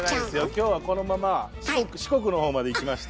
今日はこのまま四国のほうまで行きまして。